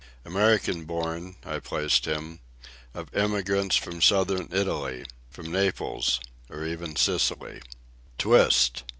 American born, I placed him, of immigrants from Southern Italy—from Naples, or even Sicily. "Twist